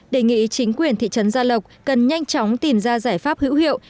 đề nghị chính quyền thị trấn gia lộc cần nhanh chóng tìm ra giải pháp hữu hiệu